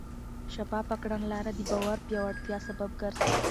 شفافه کړنلاره د باور پیاوړتیا سبب ګرځي.